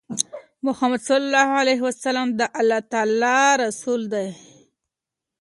محمد ص د الله تعالی رسول دی.